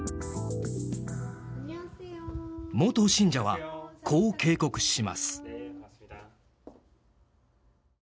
元信者は、こう警告します。